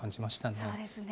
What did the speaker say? そうですね。